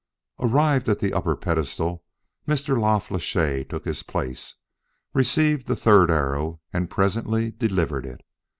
Arrived at the upper pedestal, Mr. La Flèche took his place, received the third arrow and presently delivered it.